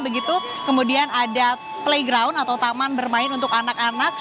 begitu kemudian ada playground atau taman bermain untuk anak anak